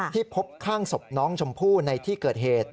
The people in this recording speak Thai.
พบข้างศพน้องชมพู่ในที่เกิดเหตุ